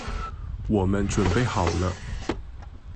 我們準備好了